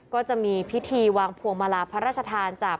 ก็จะมีพิธีวางพวงมาลาพระราชทานจาก